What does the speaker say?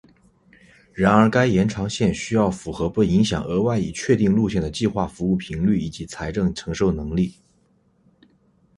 然而该延长线需要符合不影响额外已确定路线的计划服务频率以及财政承受能力。